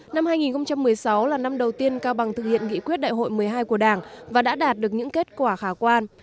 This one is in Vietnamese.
năm hai nghìn một mươi sáu là năm đầu tiên cao bằng thực hiện nghị quyết đại hội một mươi hai của đảng và đã đạt được những kết quả khả quan